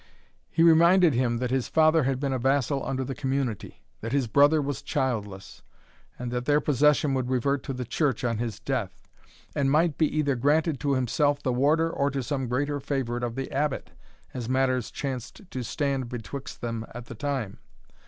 He reminded him that his father had been a vassal under the community; that his brother was childless; and that their possession would revert to the church on his death, and might be either granted to himself the warder, or to some greater favourite of the Abbot, as matters chanced to stand betwixt them at the time.